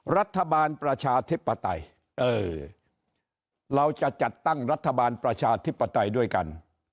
ประชาธิปไตยเออเราจะจัดตั้งรัฐบาลประชาธิปไตยด้วยกัน